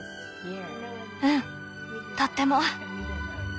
うんとっても。